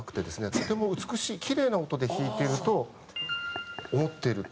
とても美しいキレイな音で弾いてると思っていると。